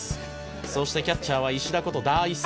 「そしてキャッチャーは石田ことダーイシさん」